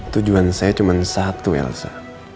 tujuan saya cuma satu elsa